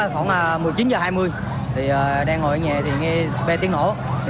khoảng một mươi chín h hai mươi đang ngồi ở nhà nghe bê tiếng nổ